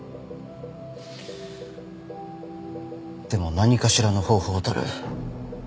でも何かしらの方法を取る。